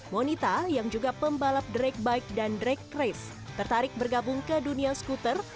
monita yang juga pembalap drag bike dan drag race tertarik bergabung ke dunia skuter